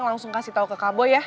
langsung kasih tau ke kak boy ya